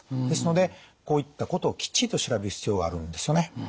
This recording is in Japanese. ですのでこういったことをきっちりと調べる必要があるんですよね。